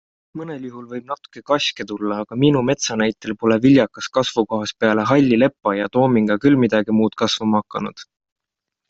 Mõnel juhul võib natuke kaske tulla, aga minu metsa näitel pole viljakas kasvukohas peale halli lepa ja toominga küll midagi muud kasvama hakanud.